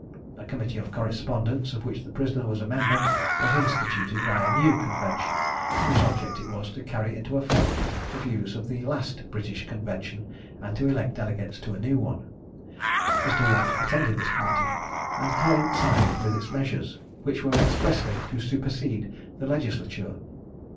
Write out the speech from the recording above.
A Committee of Correspondence, of which the prisoner was a member, was instituted by a new Convention, whose object it was to carry into effect the views of the last British Convention, and to elect delegates to a new one. Mr. Watt attended this committee, and coincided in its measures, which were expressly to supersede the Legislature.